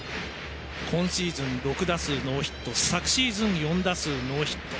今シーズン６打数ノーヒット昨シーズン、４打数ノーヒット。